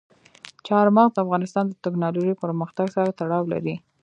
چار مغز د افغانستان د تکنالوژۍ پرمختګ سره تړاو لري.